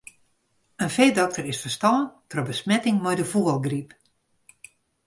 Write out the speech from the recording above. In feedokter is ferstoarn troch besmetting mei de fûgelgryp.